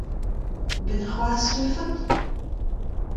A-benn warc’hoazh e teufot ?